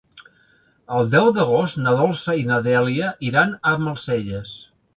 El deu d'agost na Dolça i na Dèlia iran a Almacelles.